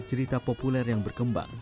cerita populer yang berkembang